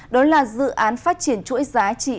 đó là dự án phát triển chuỗi giá trị